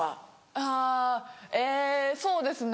あぁえぇそうですね。